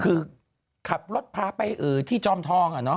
คือขับรถพาไปที่จอมทอง